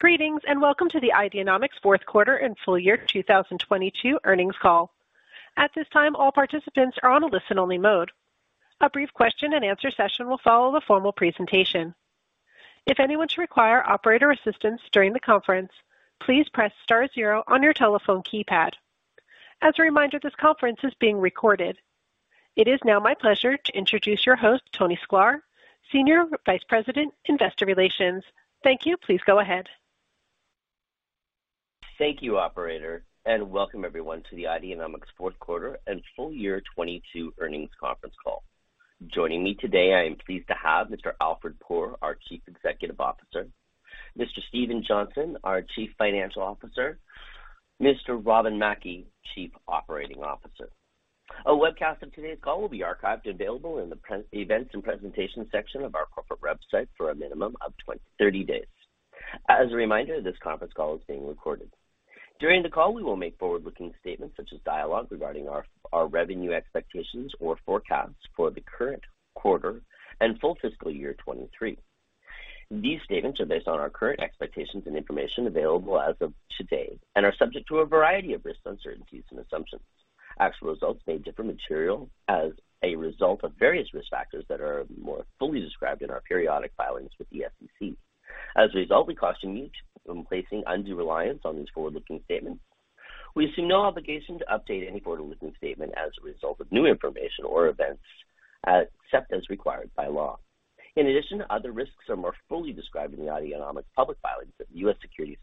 Greetings, welcome to the Ideanomics fourth quarter and full year 2022 earnings call. At this time, all participants are on a listen-only mode. A brief question-and-answer session will follow the formal presentation. If anyone should require operator assistance during the conference, please press star zero on your telephone keypad. As a reminder, this conference is being recorded. It is now my pleasure to introduce your host, Tony Sklar, Senior Vice President, Investor Relations. Thank you. Please go ahead. Thank you, operator. Welcome everyone to the Ideanomics fourth quarter and full year 2022 earnings conference call. Joining me today, I am pleased to have Mr. Alfred Poor, our Chief Executive Officer, Mr. Stephen Johnston, our Chief Financial Officer, Mr. Robin Mackie, Chief Operating Officer. A webcast of today's call will be archived and available in the events and presentations section of our corporate website for a minimum of 30 days. As a reminder, this conference call is being recorded. During the call, we will make forward-looking statements such as dialogue regarding our revenue expectations or forecasts for the current quarter and full fiscal year 2023. These statements are based on our current expectations and information available as of today and are subject to a variety of risks, uncertainties, and assumptions. Actual results may differ material as a result of various risk factors that are more fully described in our periodic filings with the SEC. As a result, we caution you from placing undue reliance on these forward-looking statements. We assume no obligation to update any forward-looking statement as a result of new information or events, except as required by law. In addition, other risks are more fully described in the Ideanomics public filings at the U.S. Securities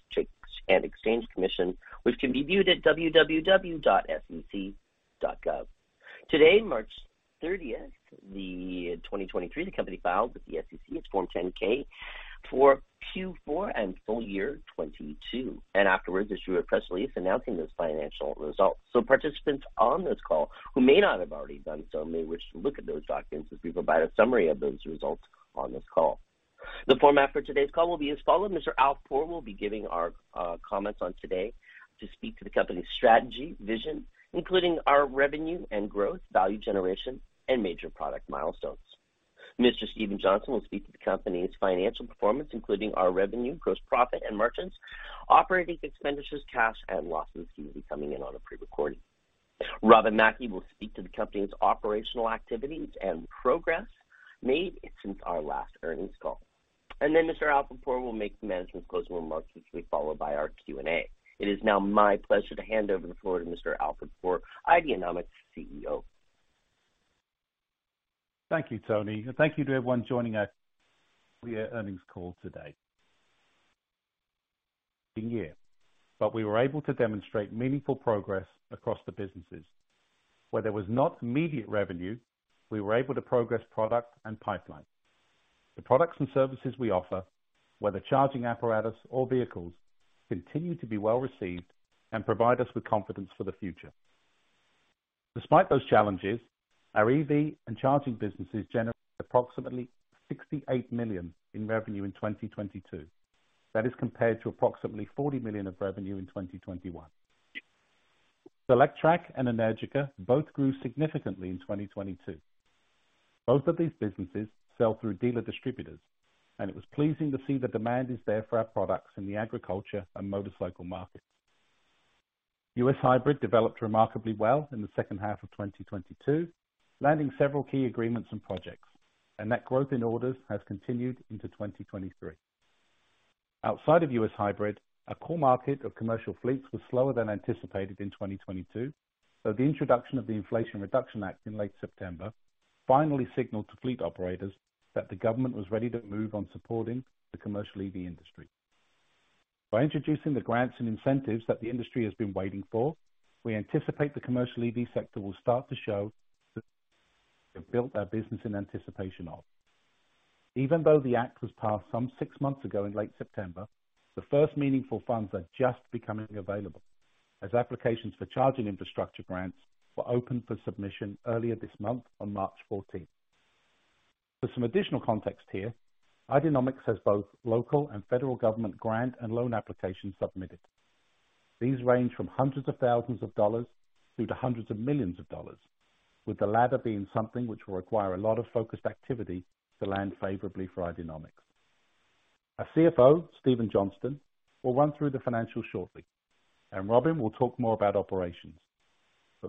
and Exchange Commission, which can be viewed at www.sec.gov. Today, March 30th, 2023, the company filed with the SEC its Form 10-K for Q4 and full year 2022, and afterwards, issued a press release announcing those financial results. Participants on this call who may not have already done so may wish to look at those documents as we provide a summary of those results on this call. The format for today's call will be as follows. Mr. Alf Poor will be giving our comments on today to speak to the company's strategy, vision, including our revenue and growth, value generation, and major product milestones. Mr. Stephen Johnston will speak to the company's financial performance, including our revenue, gross profit and margins, operating expenditures, cash and losses. He will be coming in on a pre-recording. Robin Mackie will speak to the company's operational activities and progress made since our last earnings call. Mr. Alfred Poor will make the management's closing remarks, which will be followed by our Q&A. It is now my pleasure to hand over the floor to Mr. Alfred Poor, Ideanomics CEO. Thank you, Tony. Thank you to everyone joining us for your earnings call today. Year, but we were able to demonstrate meaningful progress across the businesses. Where there was not immediate revenue, we were able to progress product and pipeline. The products and services we offer, whether charging apparatus or vehicles, continue to be well-received and provide us with confidence for the future. Despite those challenges, our EV and charging businesses generated approximately $68 million in revenue in 2022. That is compared to approximately $40 million of revenue in 2021. Solectrac and Energica both grew significantly in 2022. Both of these businesses sell through dealer distributors, and it was pleasing to see the demand is there for our products in the agriculture and motorcycle markets. US Hybrid developed remarkably well in the second half of 2022, landing several key agreements and projects. That growth in orders has continued into 2023. Outside of US Hybrid, our core market of commercial fleets was slower than anticipated in 2022, though the introduction of the Inflation Reduction Act in late September finally signaled to fleet operators that the government was ready to move on supporting the commercial EV industry. By introducing the grants and incentives that the industry has been waiting for, we anticipate the commercial EV sector will start to show they built their business in anticipation of. Even though the act was passed some six months ago in late September, the first meaningful funds are just becoming available as applications for charging infrastructure grants were open for submission earlier this month on March 14th. For some additional context here, Ideanomics has both local and federal government grant and loan applications submitted. These range from hundreds of thousands of dollars through to hundreds of millions of dollars, with the latter being something which will require a lot of focused activity to land favorably for Ideanomics. Our CFO, Stephen Johnston, will run through the financials shortly. Robin will talk more about operations.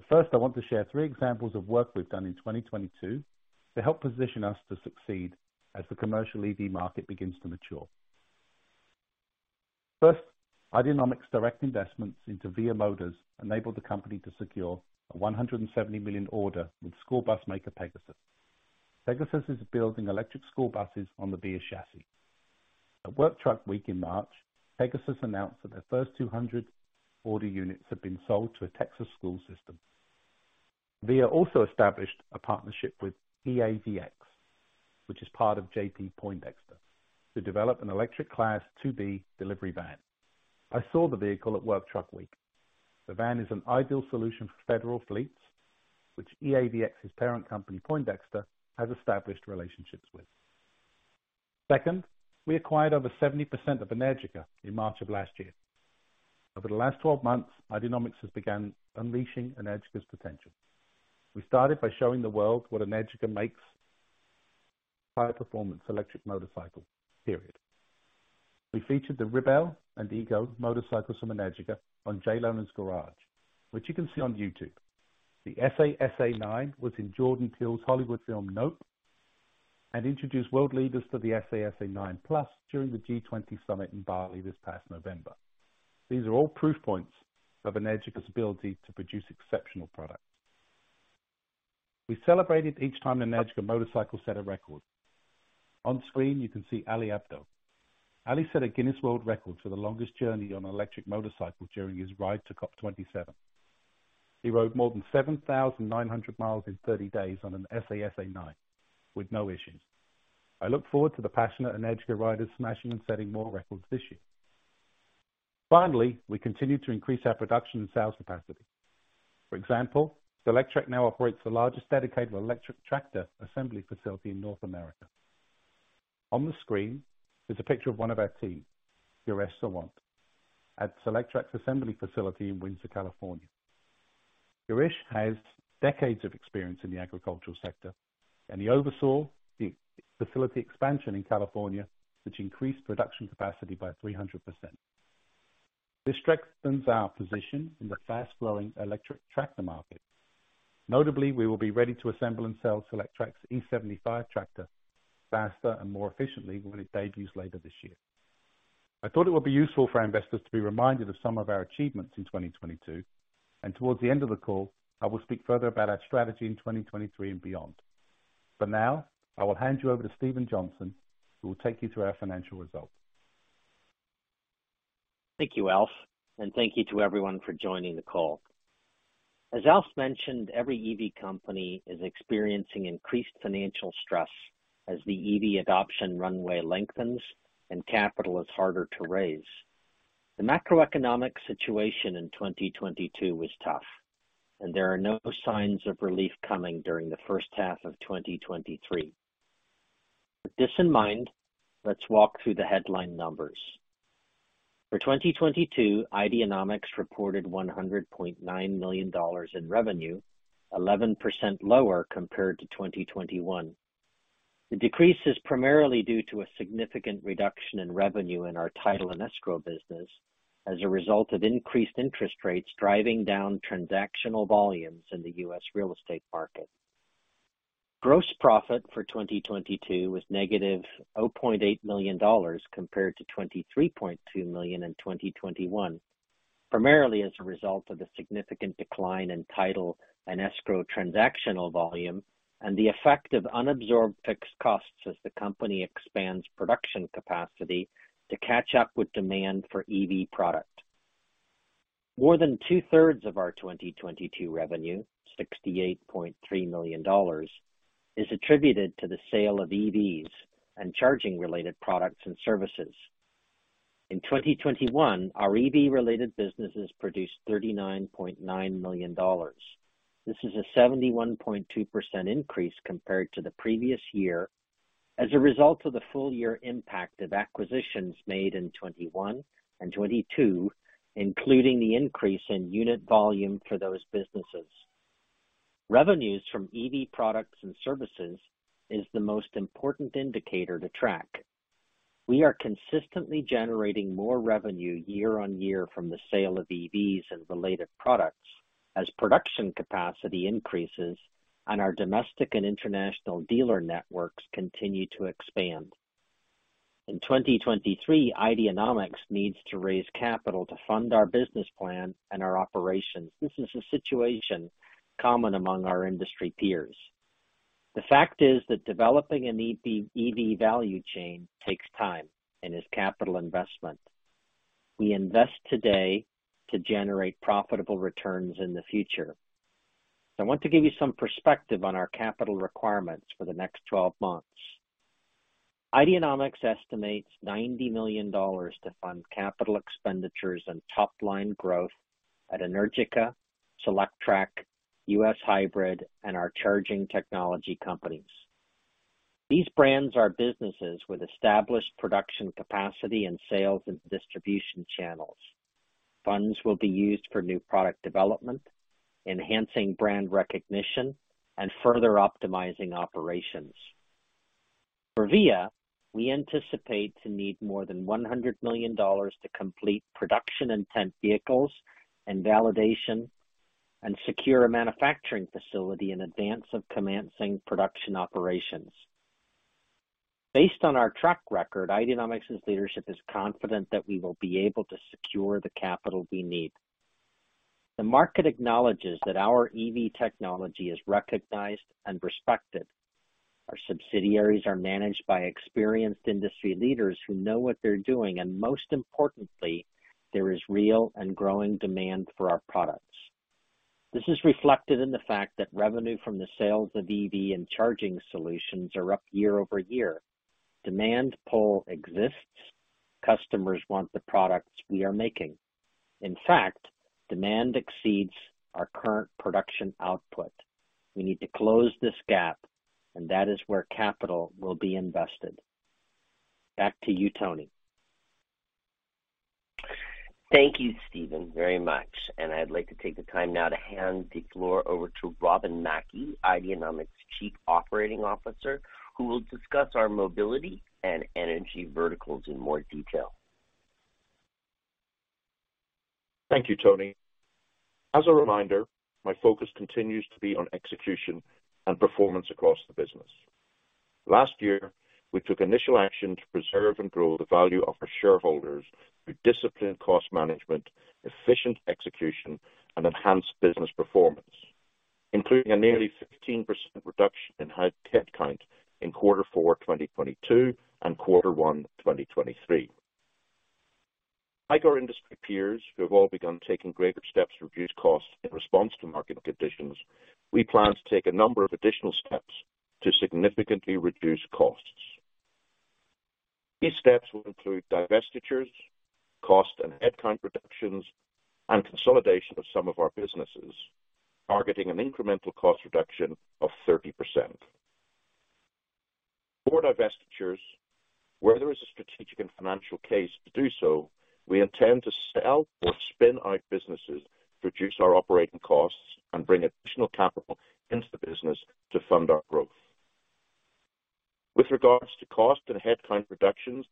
First, I want to share three examples of work we've done in 2022 to help position us to succeed as the commercial EV market begins to mature. First, Ideanomics' direct investments into VIA Motors enabled the company to secure a $170 million order with school bus maker Pegasus. Pegasus is building electric school buses on the VIA chassis. At Work Truck Week in March, Pegasus announced that their first 200 order units have been sold to a Texas school system. VIA also established a partnership with EAVX, which is part of JB Poindexter, to develop an electric class 2B delivery van. I saw the vehicle at Work Truck Week. The van is an ideal solution for federal fleets, which EAVX's parent company, Poindexter, has established relationships with. Second, we acquired over 70% of Energica in March of last year. Over the last 12 months, Ideanomics has begun unleashing Energica's potential. We started by showing the world what Energica makes high-performance electric motorcycle, period. We featured the Ribelle and Ego motorcycles from Energica on Jay Leno's Garage, which you can see on YouTube. The EsseEsse9 was in Jordan Peele's Hollywood film, Nope, and introduced world leaders to the EsseEsse9+ during the G20 summit in Bali this past November. These are all proof points of Energica's ability to produce exceptional products. We celebrated each time an Energica motorcycle set a record. On screen, you can see Ali Abdo. Ali set a Guinness World Records for the longest journey on electric motorcycle during his ride to COP27. He rode more than 7,900 miles in 30 days on an EsseEsse9 with no issues. I look forward to the passionate Energica riders smashing and setting more records this year. We continue to increase our production and sales capacity. For example, Solectrac now operates the largest dedicated electric tractor assembly facility in North America. On the screen is a picture of one of our team, Suresh Sawant, at Solectrac's assembly facility in Windsor, California. Suresh has decades of experience in the agricultural sector. He oversaw the facility expansion in California, which increased production capacity by 300%. This strengthens our position in the fast-growing electric tractor market. Notably, we will be ready to assemble and sell Solectrac's e75N tractor faster and more efficiently when it debuts later this year. I thought it would be useful for our investors to be reminded of some of our achievements in 2022. Towards the end of the call, I will speak further about our strategy in 2023 and beyond. For now, I will hand you over to Stephen Johnston, who will take you through our financial results. Thank you, Alf, and thank you to everyone for joining the call. As Alf mentioned, every EV company is experiencing increased financial stress as the EV adoption runway lengthens and capital is harder to raise. The macroeconomic situation in 2022 was tough, and there are no signs of relief coming during the first half of 2023. With this in mind, let's walk through the headline numbers. For 2022, Ideanomics reported $100.9 million in revenue, 11% lower compared to 2021. The decrease is primarily due to a significant reduction in revenue in our title and escrow business as a result of increased interest rates driving down transactional volumes in the U.S. real estate market. Gross profit for 2022 was -$0.8 million compared to $23.2 million in 2021, primarily as a result of the significant decline in title and escrow transactional volume and the effect of unabsorbed fixed costs as the company expands production capacity to catch up with demand for EV product. More than two-thirds of our 2022 revenue, $68.3 million, is attributed to the sale of EVs and charging-related products and services. In 2021, our EV-related businesses produced $39.9 million. This is a 71.2% increase compared to the previous year as a result of the full year impact of acquisitions made in 2021 and 2022, including the increase in unit volume for those businesses. Revenues from EV products and services is the most important indicator to track. We are consistently generating more revenue year-on-year from the sale of EVs and related products as production capacity increases and our domestic and international dealer networks continue to expand. In 2023, Ideanomics needs to raise capital to fund our business plan and our operations. This is a situation common among our industry peers. The fact is that developing an EV value chain takes time and is capital investment. We invest today to generate profitable returns in the future. I want to give you some perspective on our capital requirements for the next 12 months. Ideanomics estimates $90 million to fund capital expenditures and top-line growth at Energica, Solectrac, US Hybrid, and our charging technology companies. These brands are businesses with established production capacity and sales and distribution channels. Funds will be used for new product development, enhancing brand recognition, and further optimizing operations. For VIA, we anticipate to need more than $100 million to complete production intent vehicles and validation and secure a manufacturing facility in advance of commencing production operations. Based on our track record, Ideanomics' leadership is confident that we will be able to secure the capital we need. The market acknowledges that our EV technology is recognized and respected. Our subsidiaries are managed by experienced industry leaders who know what they're doing, and most importantly, there is real and growing demand for our products. This is reflected in the fact that revenue from the sales of EV and charging solutions are up year-over-year. Demand pull exists. Customers want the products we are making. In fact, demand exceeds our current production output. We need to close this gap, and that is where capital will be invested. Back to you, Tony. Thank you, Stephen, very much. I'd like to take the time now to hand the floor over to Robin Mackie, Ideanomics Chief Operating Officer, who will discuss our mobility and energy verticals in more detail. Thank you, Tony. As a reminder, my focus continues to be on execution and performance across the business. Last year, we took initial action to preserve and grow the value of our shareholders through disciplined cost management, efficient execution, and enhanced business performance, including a nearly 15% reduction in high headcount in quarter four, 2022, and quarter one, 2023. Like our industry peers, we've all begun taking greater steps to reduce costs in response to market conditions. We plan to take a number of additional steps to significantly reduce costs. These steps will include divestitures, cost, and headcount reductions, and consolidation of some of our businesses, targeting an incremental cost reduction of 30%. For divestitures, where there is a strategic and financial case to do so, we intend to sell or spin out businesses to reduce our operating costs and bring additional capital into the business to fund our growth. With regards to cost and headcount reductions,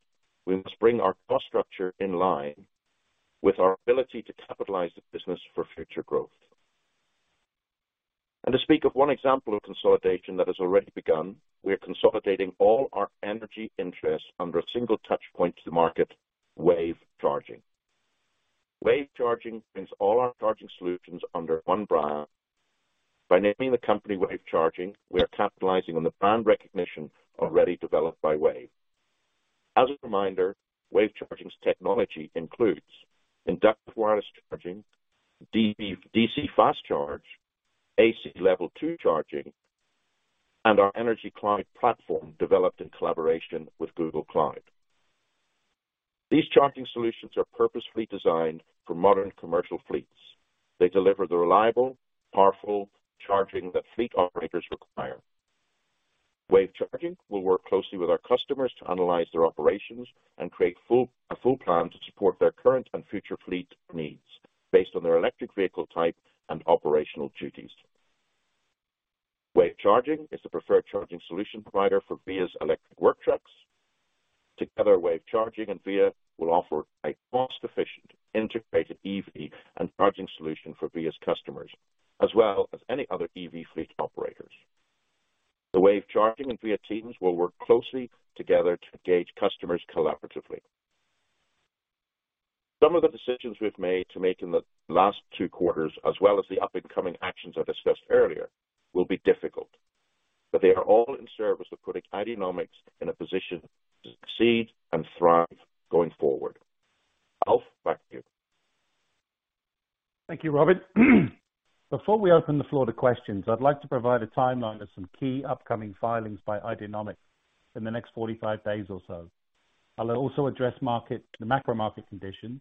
we must bring our cost structure in line with our ability to capitalize the business for future growth. To speak of one example of consolidation that has already begun, we are consolidating all our energy interests under a single touch point to the market, Wave Charging. Wave Charging brings all our charging solutions under one brand. By naming the company Wave Charging, we are capitalizing on the brand recognition already developed by Wave. As a reminder, Wave Charging's technology includes inductive wireless charging, DC fast charge, AC Level 2 charging, and our energy cloud platform developed in collaboration with Google Cloud. These charging solutions are purposefully designed for modern commercial fleets. They deliver the reliable, powerful charging that fleet operators require. WAVE Charging will work closely with our customers to analyze their operations and create a full plan to support their current and future fleet needs based on their electric vehicle type and operational duties. WAVE Charging is the preferred charging solution provider for VIA's electric work trucks. Together, WAVE Charging and VIA will offer a cost-efficient integrated EV and charging solution for VIA's customers, as well as any other EV fleet operators. The WAVE Charging and VIA teams will work closely together to engage customers collaboratively. Some of the decisions we've made to make in the last two quarters, as well as the up-and-coming actions I've discussed earlier, will be difficult, but they are all in service of putting Ideanomics in a position to succeed and thrive going forward. Alf, back to you. Thank you, Robin. Before we open the floor to questions, I'd like to provide a timeline of some key upcoming filings by Ideanomics in the next 45 days or so. I'll also address the macro-market conditions, and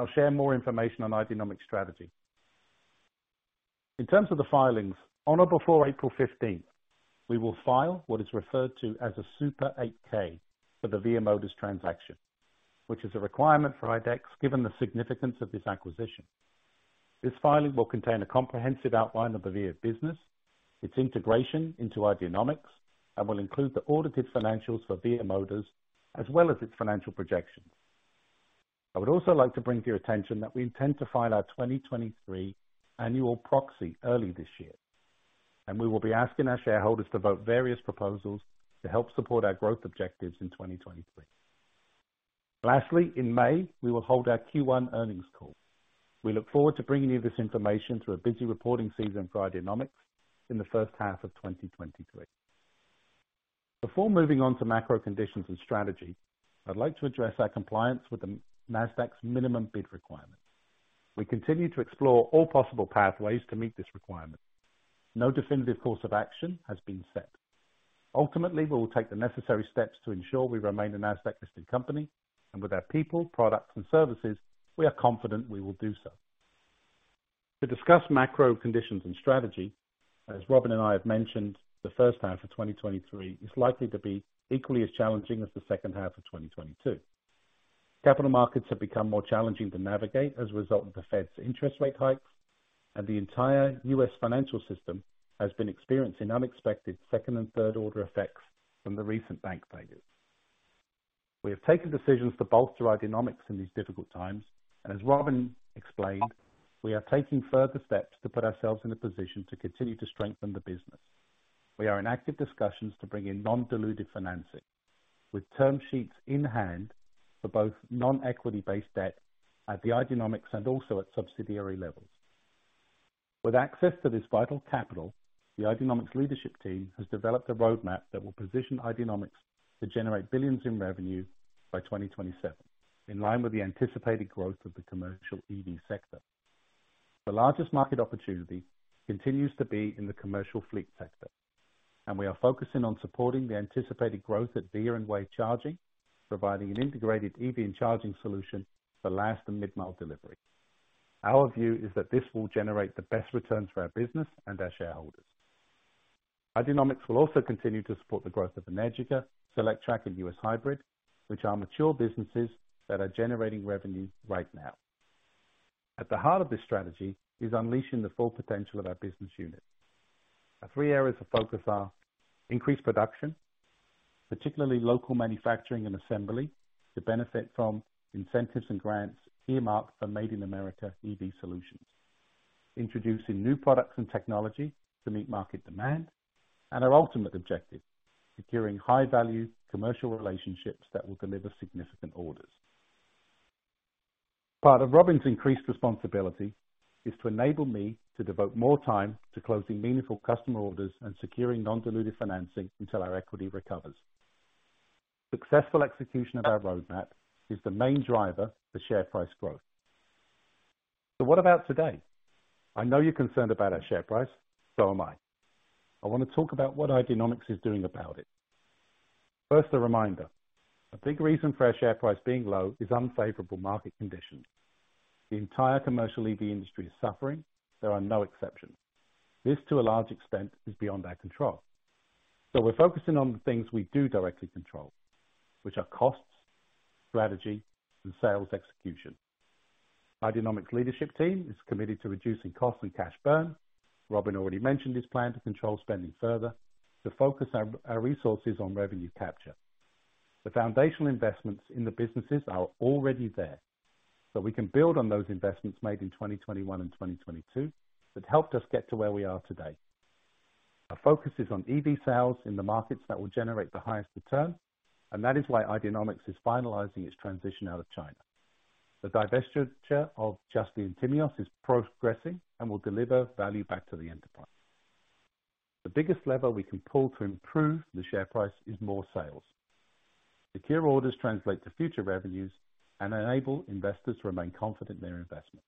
I'll share more information on Ideanomics' strategy. In terms of the filings, on or before April 15th, we will file what is referred to as a Super 8-K for the VIA Motors transaction, which is a requirement for IDEX, given the significance of this acquisition. This filing will contain a comprehensive outline of the VIA business, its integration into Ideanomics, and will include the audited financials for VIA Motors, as well as its financial projections. I would also like to bring to your attention that we intend to file our 2023 annual proxy early this year. We will be asking our shareholders to vote various proposals to help support our growth objectives in 2023. Lastly, in May, we will hold our Q1 earnings call. We look forward to bringing you this information to a busy reporting season for Ideanomics in the first half of 2023. Before moving on to macro conditions and strategy, I'd like to address our compliance with the Nasdaq's minimum bid requirement. We continue to explore all possible pathways to meet this requirement. No definitive course of action has been set. Ultimately, we will take the necessary steps to ensure we remain a Nasdaq-listed company. With our people, products, and services, we are confident we will do so. To discuss macro conditions and strategy, as Robin and I have mentioned, the first half of 2023 is likely to be equally as challenging as the second half of 2022. Capital markets have become more challenging to navigate as a result of the Fed's interest rate hikes, and the entire U.S. financial system has been experiencing unexpected second and third-order effects from the recent bank failures. We have taken decisions to bolster Ideanomics in these difficult times, and as Robin explained, we are taking further steps to put ourselves in a position to continue to strengthen the business. We are in active discussions to bring in non-dilutive financing with term sheets in hand for both non-equity-based debt at the Ideanomics and also at subsidiary levels. With access to this vital capital, the Ideanomics leadership team has developed a roadmap that will position Ideanomics to generate $ billions in revenue by 2027, in line with the anticipated growth of the commercial EV sector. The largest market opportunity continues to be in the commercial fleet sector, and we are focusing on supporting the anticipated growth at VIA and WAVE Charging, providing an integrated EV and charging solution for last and mid-mile delivery. Our view is that this will generate the best returns for our business and our shareholders. Ideanomics will also continue to support the growth of Energica, Solectrac, and US Hybrid, which are mature businesses that are generating revenue right now. At the heart of this strategy is unleashing the full potential of our business units. Our three areas of focus are increased production, particularly local manufacturing and assembly to benefit from incentives and grants earmarked for Made in America EV solutions. Introducing new products and technology to meet market demand and our ultimate objective, securing high value commercial relationships that will deliver significant orders. Part of Robin's increased responsibility is to enable me to devote more time to closing meaningful customer orders and securing non-dilutive financing until our equity recovers. Successful execution of our roadmap is the main driver for share price growth. What about today? I know you're concerned about our share price. I want to talk about what Ideanomics is doing about it. First, a reminder. A big reason for our share price being low is unfavorable market conditions. The entire commercial EV industry is suffering. There are no exceptions. This, to a large extent, is beyond our control. We're focusing on the things we do directly control, which are costs, strategy, and sales execution. Ideanomics leadership team is committed to reducing costs and cash burn. Robin already mentioned his plan to control spending further, to focus our resources on revenue capture. The foundational investments in the businesses are already there, so we can build on those investments made in 2021 and 2022 that helped us get to where we are today. Our focus is on EV sales in the markets that will generate the highest return, and that is why Ideanomics is finalizing its transition out of China. The divestiture of just the Timios is progressing and will deliver value back to the enterprise. The biggest lever we can pull to improve the share price is more sales. Secure orders translate to future revenues and enable investors to remain confident in their investment.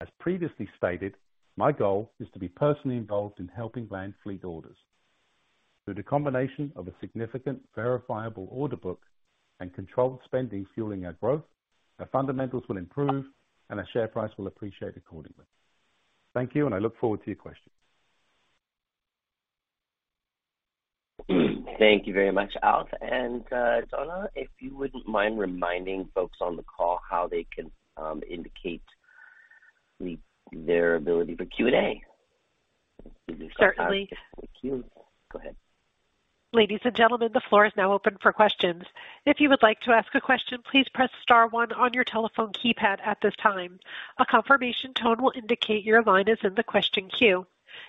As previously stated, my goal is to be personally involved in helping land fleet orders. Through the combination of a significant verifiable order book and controlled spending fueling our growth, our fundamentals will improve and our share price will appreciate accordingly. Thank you, and I look forward to your questions. Thank you very much, Alf. Donna, if you wouldn't mind reminding folks on the call how they can indicate their ability for Q&A. Certainly. Thank you. Go ahead. Ladies and gentlemen, the floor is now open for questions. If you would like to ask a question, please press star one on your telephone keypad at this time. A confirmation tone will indicate your line is in the question queue.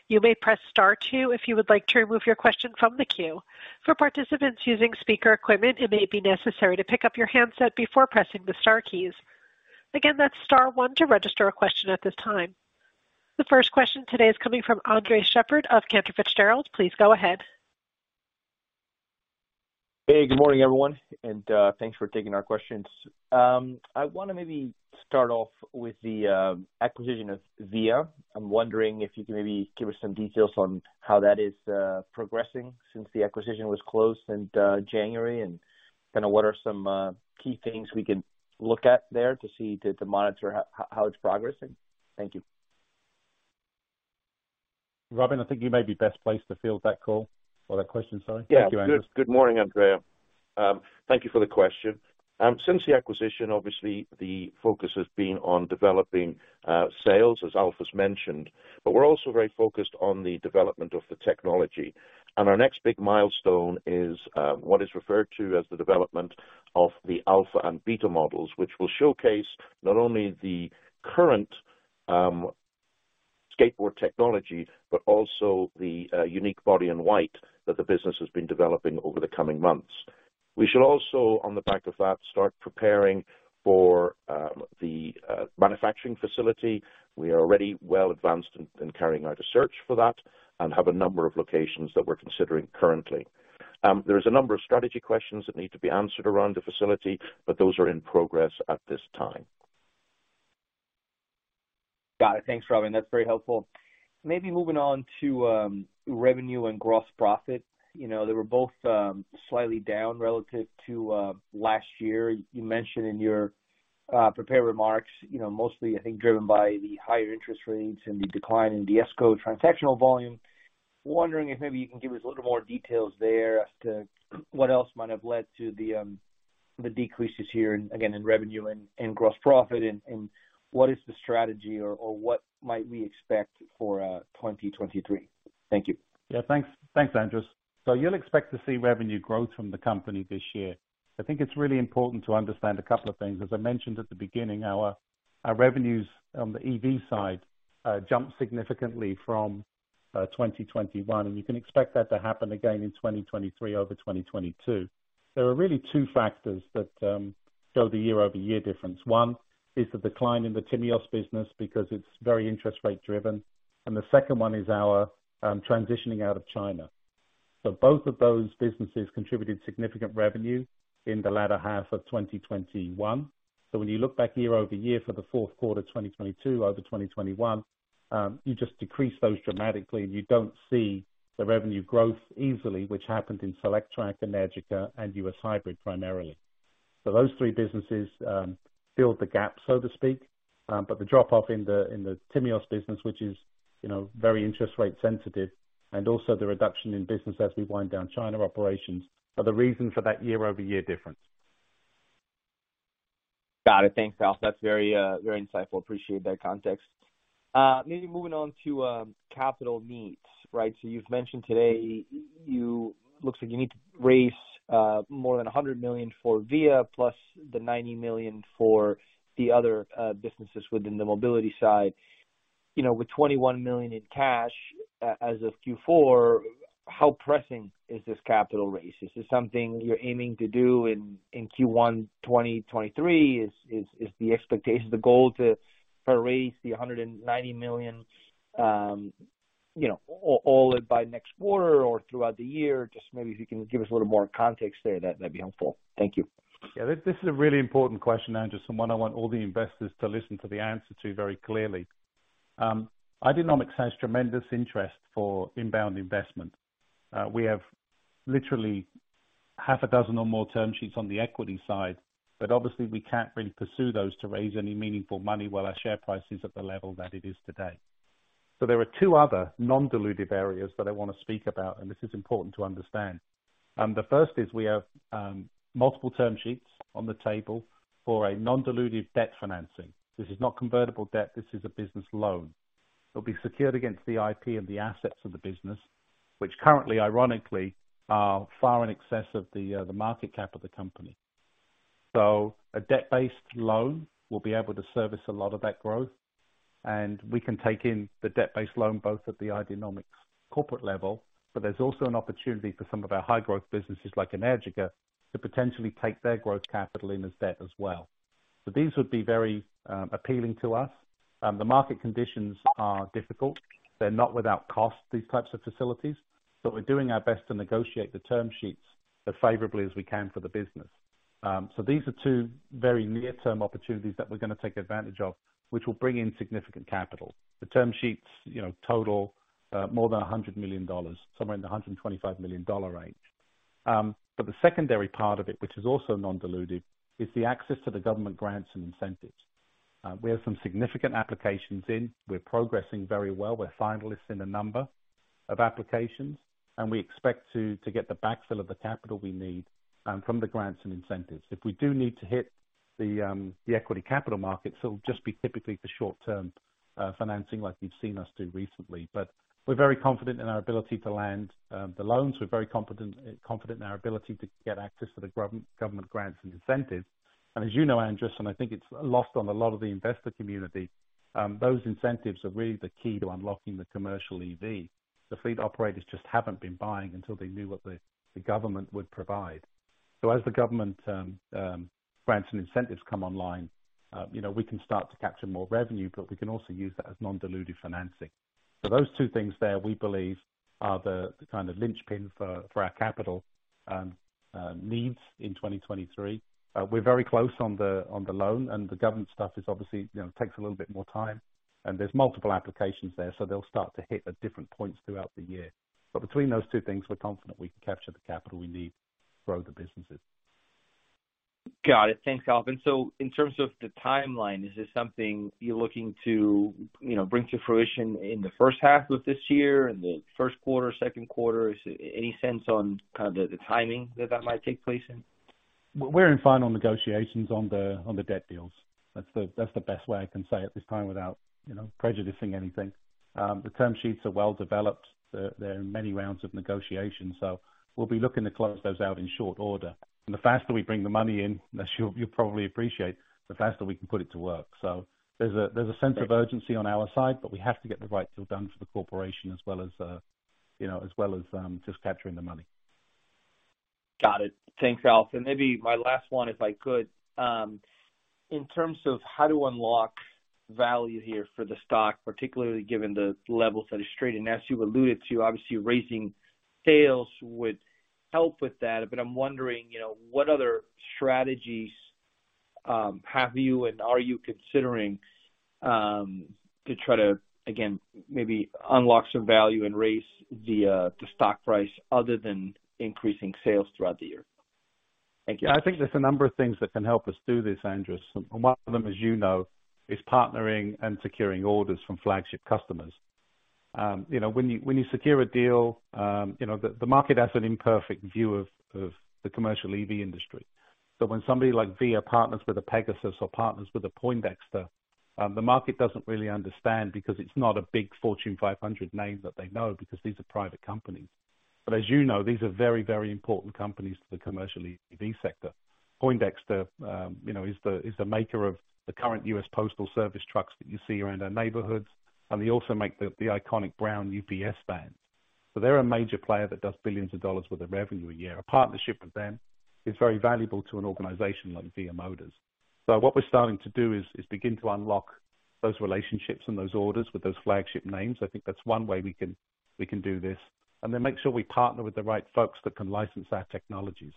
You may press star two if you would like to remove your question from the queue. For participants using speaker equipment, it may be necessary to pick up your handset before pressing the star keys. Again, that's star one to register a question at this time. The first question today is coming from. Please go ahead. Hey, good morning, everyone, and thanks for taking our questions. I wanna maybe start off with the acquisition of VIA. I'm wondering if you can maybe give us some details on how that is progressing since the acquisition was closed in January and kinda what are some key things we can look at there to see, to monitor how it's progressing. Thank you. Robin, I think you may be best placed to field that call or that question, sorry. Yeah. Thank you, Andres. Good morning, Andres. Thank you for the question. Since the acquisition, obviously the focus has been on developing sales, as Alf has mentioned, but we're also very focused on the development of the technology. Our next big milestone is what is referred to as the development of the Alpha and Beta models, which will showcase not only the current Skateboard technology, but also the unique body-in-white that the business has been developing over the coming months. We should also, on the back of that, start preparing for the manufacturing facility. We are already well advanced in carrying out a search for that and have a number of locations that we're considering currently. There's a number of strategy questions that need to be answered around the facility, but those are in progress at this time. Got it. Thanks, Robin. That's very helpful. Maybe moving on to revenue and gross profit. You know, they were both slightly down relative to last year. You mentioned in your prepared remarks, you know, mostly, I think, driven by the higher interest rates and the decline in the ESCO transactional volume. Wondering if maybe you can give us a little more details there as to what else might have led to the decreases here, again, in revenue and gross profit and what is the strategy or what might we expect for 2023? Thank you. thanks, Andres. You'll expect to see revenue growth from the company this year. I think it's really important to understand a couple of things. As I mentioned at the beginning, our revenues on the EV side jumped significantly from 2021, and you can expect that to happen again in 2023 over 2022. There are really two factors that show the year-over-year difference. One is the decline in the Timios business because it's very interest rate driven, and the second one is our transitioning out of China. Both of those businesses contributed significant revenue in the latter half of 2021. When you look back year-over-year for the fourth quarter, 2022 over 2021, you just decrease those dramatically and you don't see the revenue growth easily, which happened in Solectrac, Energica and US Hybrid primarily. Those three businesses fill the gap, so to speak. The drop off in the, in the Timios business, which is, you know, very interest rate sensitive, and also the reduction in business as we wind down China operations are the reason for that year-over-year difference. Got it. Thanks, Alf. That's very, very insightful. Appreciate that context. Maybe moving on to capital needs, right? You've mentioned today looks like you need to raise more than $100 million for VIA Motors plus the $90 million for the other businesses within the mobility side. You know, with $21 million in cash as of Q4, how pressing is this capital raise? Is this something you're aiming to do in Q1 2023? Is the expectation the goal to raise the $190 million, you know, all it by next quarter or throughout the year? Just maybe if you can give us a little more context there, that'd be helpful. Thank you. Yeah. This is a really important question, Andras, and one I want all the investors to listen to the answer to very clearly. Ideanomics has tremendous interest for inbound investment. We have literally half a dozen or more term sheets on the equity side, obviously we can't really pursue those to raise any meaningful money while our share price is at the level that it is today. There are two other non-dilutive areas that I wanna speak about. This is important to understand. The first is we have multiple term sheets on the table for a non-dilutive debt financing. This is not convertible debt, this is a business loan. It'll be secured against the IP and the assets of the business, which currently, ironically, are far in excess of the market cap of the company. A debt-based loan will be able to service a lot of that growth, and we can take in the debt-based loan both at the Ideanomics corporate level, but there's also an opportunity for some of our high-growth businesses like Energica, to potentially take their growth capital in as debt as well. These would be very appealing to us. The market conditions are difficult. They're not without cost, these types of facilities. We're doing our best to negotiate the term sheets as favorably as we can for the business. These are two very near-term opportunities that we're gonna take advantage of, which will bring in significant capital. The term sheets, you know, total more than $100 million, somewhere in the $125 million range. The secondary part of it, which is also non-dilutive, is the access to the government grants and incentives. We have some significant applications in. We're progressing very well. We're finalists in a number of applications, and we expect to get the backfill of the capital we need from the grants and incentives. If we do need to hit the equity capital markets, it'll just be typically for short-term financing like you've seen us do recently. We're very confident in our ability to land the loans. We're very confident in our ability to get access to the government grants and incentives. As you know, Andres, and I think it's lost on a lot of the investor community, those incentives are really the key to unlocking the commercial EV. The fleet operators just haven't been buying until they knew what the government would provide. As the government grants and incentives come online, you know, we can start to capture more revenue, but we can also use that as non-dilutive financing. Those two things there, we believe are the kind of linchpin for our capital needs in 2023. We're very close on the loan and the government stuff is obviously, you know, takes a little bit more time, and there's multiple applications there, so they'll start to hit at different points throughout the year. Between those two things, we're confident we can capture the capital we need to grow the businesses. Got it. Thanks, Alf. In terms of the timeline, is this something you're looking to, you know, bring to fruition in the first half of this year, in the first quarter, second quarter? Any sense on kind of the timing that that might take place in? We're in final negotiations on the debt deals. That's the best way I can say it this time without, you know, prejudicing anything. The term sheets are well developed. There are many rounds of negotiation, so we'll be looking to close those out in short order. The faster we bring the money in, as you probably appreciate, the faster we can put it to work. There's a sense of urgency on our side, but we have to get the right deal done for the corporation as well as, you know, as well as just capturing the money. Got it. Thanks, Alf. Maybe my last one, if I could. In terms of how to unlock value here for the stock, particularly given the levels that are straight, as you alluded to, obviously raising sales would help with that. I'm wondering, you know, what other strategies, have you and are you considering to try to again, maybe unlock some value and raise the stock price other than increasing sales throughout the year? Thank you. I think there's a number of things that can help us do this, Andres. One of them, as you know, is partnering and securing orders from flagship customers. You know, when you, when you secure a deal, you know, the market has an imperfect view of the commercial EV industry. When somebody like Via partners with a Pegasus or partners with a Poindexter, the market doesn't really understand because it's not a big Fortune 500 name that they know because these are private companies. As you know, these are very, very important companies to the commercial EV sector. Poindexter, you know, is the maker of the current US Postal Service trucks that you see around our neighborhoods, and they also make the iconic brown UPS vans. They're a major player that does $ billions worth of revenue a year. A partnership with them is very valuable to an organization like VIA Motors. What we're starting to do is begin to unlock those relationships and those orders with those flagship names. I think that's one way we can do this. Then make sure we partner with the right folks that can license our technologies.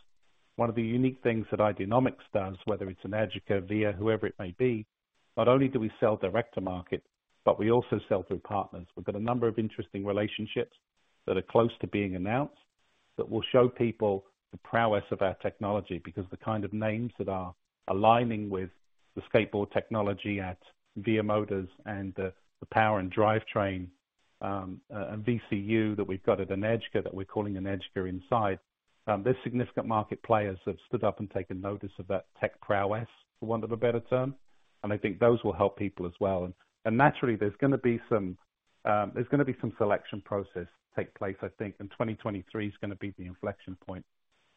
One of the unique things that Ideanomics does, whether it's Energica, VIA, whoever it may be, not only do we sell direct to market, but we also sell through partners. We've got a number of interesting relationships that are close to being announced that will show people the prowess of our technology because the kind of names that are aligning with the skateboard technology at VIA Motors and the power and drivetrain VCU that we've got at Energica that we're calling Energica Inside. There's significant market players that have stood up and taken notice of that tech prowess, for want of a better term, and I think those will help people as well. Naturally, there's gonna be some selection process take place, I think, and 2023 is gonna be the inflection point.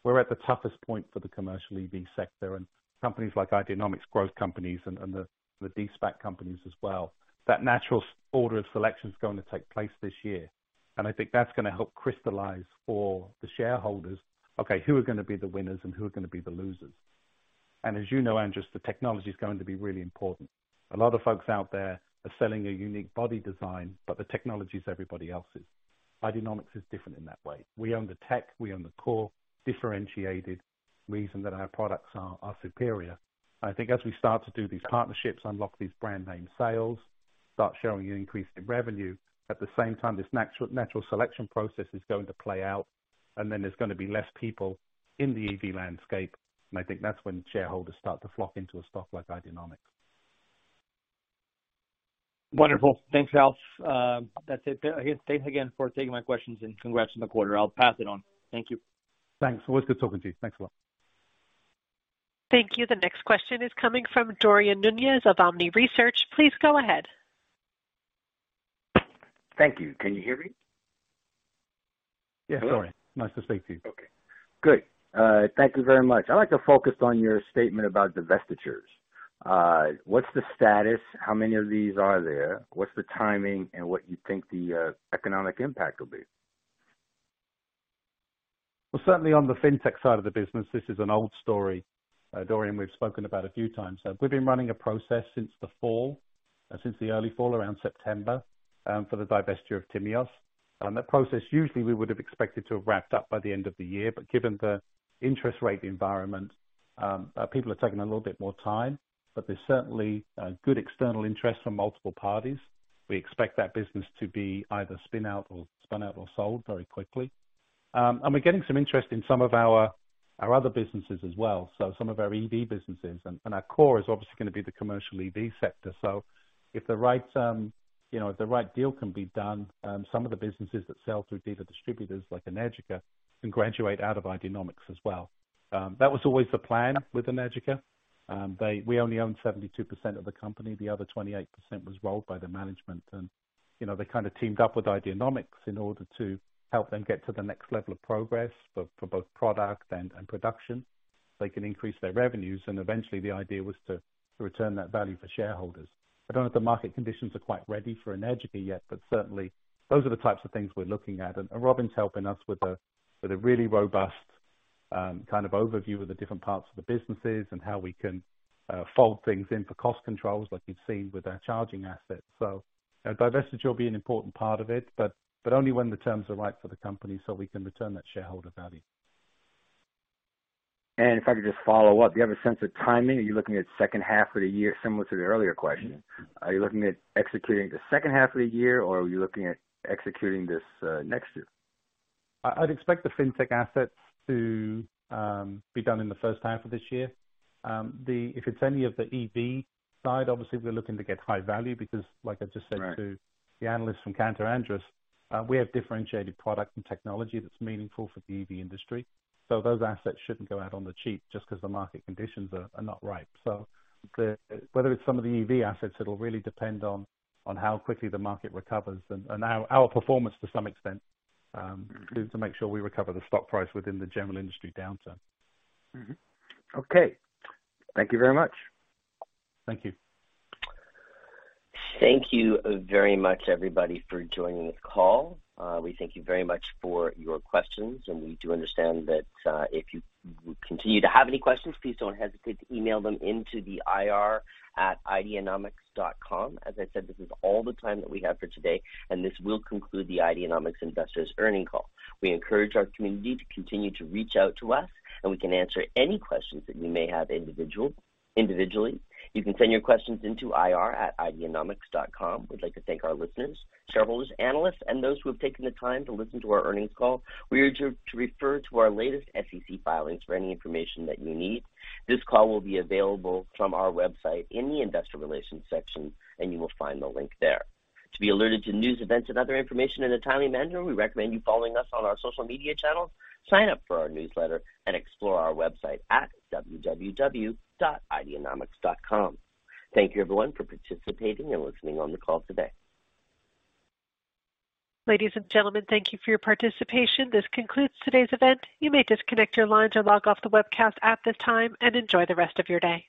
We're at the toughest point for the commercial EV sector and companies like Ideanomics, growth companies, and the de-SPAC companies as well. That natural order of selection is gonna take place this year, and I think that's gonna help crystallize for the shareholders, okay, who are gonna be the winners and who are gonna be the losers. As you know, Andras, the technology is going to be really important. A lot of folks out there are selling a unique body design, but the technology is everybody else's. Ideanomics is different in that way. We own the tech, we own the core differentiated reason that our products are superior. I think as we start to do these partnerships, unlock these brand name sales, start showing you increase in revenue. At the same time, this natural selection process is going to play out, and then there's gonna be less people in the EV landscape. I think that's when shareholders start to flock into a stock like Ideanomics. Wonderful. Thanks, Alf. That's it. Thanks again for taking my questions, and congrats on the quarter. I'll pass it on. Thank you. Thanks. Always good talking to you. Thanks a lot. Thank you. The next question is coming from Dorien Nunez of OMNIResearch. Please go ahead. Thank you. Can you hear me? Yes, Dorien. Nice to speak to you. Okay, good. Thank you very much. I'd like to focus on your statement about divestitures. What's the status? How many of these are there? What's the timing and what you think the economic impact will be? Certainly on the fintech side of the business, this is an old story. Dorien, we've spoken about a few times. We've been running a process since the fall, since the early fall, around September, for the divestiture of Timios. That process usually we would have expected to have wrapped up by the end of the year. Given the interest rate environment, people are taking a little bit more time. There's certainly good external interest from multiple parties. We expect that business to be either spin out or spun out or sold very quickly. And we're getting some interest in some of our other businesses as well, so some of our EV businesses. Our core is obviously gonna be the commercial EV sector. If the right, you know, if the right deal can be done, some of the businesses that sell through data distributors like Energica can graduate out of Ideanomics as well. That was always the plan with Energica. We only own 72% of the company. The other 28% was rolled by the management. You know, they kind of teamed up with Ideanomics in order to help them get to the next level of progress for both product and production, so they can increase their revenues. Eventually, the idea was to return that value for shareholders. I don't know if the market conditions are quite ready for Energica yet, but certainly those are the types of things we're looking at. Robin's helping us with a really robust, kind of overview of the different parts of the businesses and how we can fold things in for cost controls, like you've seen with our charging assets. A divestiture will be an important part of it, but only when the terms are right for the company so we can return that shareholder value. If I could just follow up, do you have a sense of timing? Are you looking at second half of the year? Similar to the earlier question, are you looking at executing the second half of the year, or are you looking at executing this next year? I'd expect the fintech assets to be done in the first half of this year. If it's any of the EV side, obviously we're looking to get high value because like I just said to the analyst from Cantor, Andres, we have differentiated product and technology that's meaningful for the EV industry. Those assets shouldn't go out on the cheap just because the market conditions are not right. Whether it's some of the EV assets, it'll really depend on how quickly the market recovers and our performance to some extent, is to make sure we recover the stock price within the general industry downturn. Okay. Thank you very much. Thank you. Thank you very much, everybody, for joining this call. We thank you very much for your questions. We do understand that, if you continue to have any questions, please don't hesitate to email them into the ir@ideanomics.com. As I said, this is all the time that we have for today. This will conclude the Ideanomics investors earning call. We encourage our community to continue to reach out to us, and we can answer any questions that you may have individually. You can send your questions into ir@ideanomics.com. We'd like to thank our listeners, shareholders, analysts, and those who have taken the time to listen to our earnings call. We urge you to refer to our latest SEC filings for any information that you need. This call will be available from our website in the investor relations section. You will find the link there. To be alerted to news, events, and other information in a timely manner, we recommend you following us on our social media channels. Sign up for our newsletter and explore our website at www.ideanomics.com. Thank you everyone for participating and listening on the call today. Ladies and gentlemen, thank you for your participation. This concludes today's event. You may disconnect your lines or log off the webcast at this time and enjoy the rest of your day.